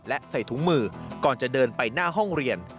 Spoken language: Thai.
และใส่ถุงมือก่อนจะเดินไปหน้าห้องเรียน